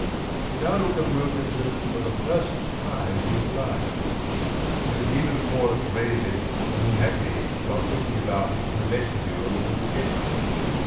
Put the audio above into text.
He now looked on Wilkins's for the first time in his life; and he was even more afraid of it than he had been while thinking about it in the vestibule of the Majestic.